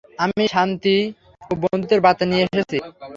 আমি শান্তি ও বন্ধুত্বের বার্তা নিয়ে এসেছি।